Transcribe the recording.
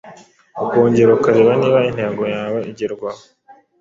ukongera ukareba niba intego yawe igerwaho